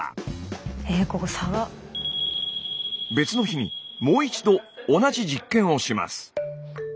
別の日にもう一度同じ実験をします。